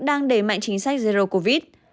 đang đẩy mạnh chính sách zero covid